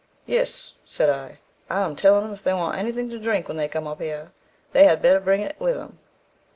'Yes,' said I; I am tellin' 'em if they want anything to drink when they come up here, they had better bring it with 'em.'